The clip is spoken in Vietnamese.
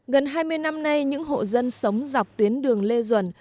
gần hai mươi năm nay những hộ dân sống dọc tuyến đường lê duẩn